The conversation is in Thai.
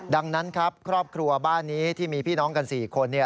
ดังนั้นครับครอบครัวบ้านนี้ที่มีพี่น้องกัน๔คน